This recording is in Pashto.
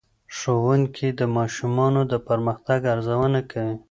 ښوونکی د ماشومانو د پرمختګ ارزونه کوي.